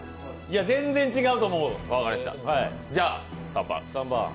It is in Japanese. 全然違うと思う！